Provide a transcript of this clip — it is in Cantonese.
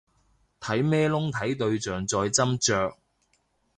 用咩窿睇對象再斟酌